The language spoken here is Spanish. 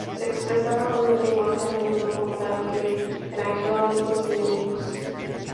Se expresaba con un lenguaje a menudo brutal, que le granjeó amigos y enemigos.